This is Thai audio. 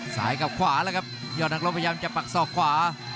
กับขวาแล้วครับยอดนักรบพยายามจะปักศอกขวา